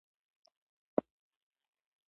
انګریزان پټ وو.